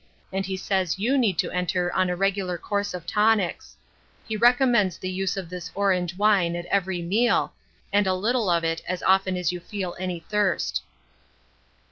And he says you need to enter on a regular course of tonics. He recommends the use of this orange wine at every meal, and a little of it as often as you feel any thirst."